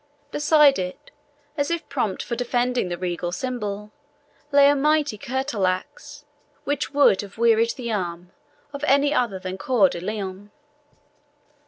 Beside it, as if prompt for defending the regal symbol, lay a mighty curtal axe, which would have wearied the arm of any other than Coeur de Lion.